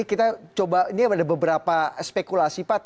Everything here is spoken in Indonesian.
ini ada beberapa spekulasi